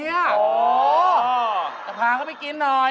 จะพาเขาไปกินหน่อย